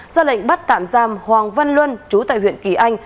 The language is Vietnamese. do lệnh bắt tạm giam hoàng văn luân trú tại huyện kỳ anh